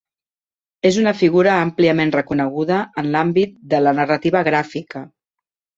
És una figura àmpliament reconeguda en l'àmbit de la narrativa gràfica.